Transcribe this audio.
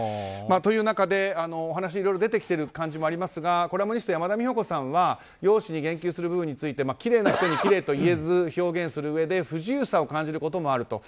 という中で、お話いろいろ出てきている感じがありますがコラムニスト山田美保子さんは容姿に言及することについてきれいな人にきれいと言えず表現するうえで不自由さを感じることもある。